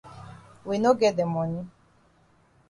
We no get de moni.